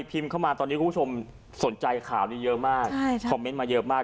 พิมพ์เข้ามาตอนนี้คุณผู้ชมสนใจข่าวนี้เยอะมากคอมเมนต์มาเยอะมาก